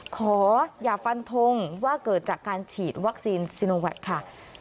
ขออย่าฟันทงว่าเกิดจากการฉีดวัคซีนซีโนแวคค่ะ